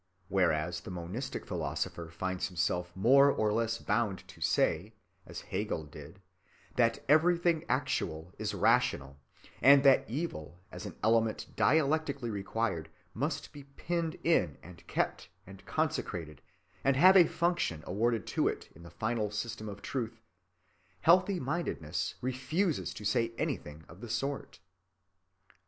Whereas the monistic philosopher finds himself more or less bound to say, as Hegel said, that everything actual is rational, and that evil, as an element dialectically required, must be pinned in and kept and consecrated and have a function awarded to it in the final system of truth, healthy‐mindedness refuses to say anything of the sort.